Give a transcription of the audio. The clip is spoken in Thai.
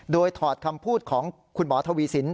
โดยถอดคำพูดของคุณหมอทวีสิน